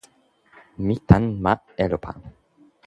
mi tan ma Elopa.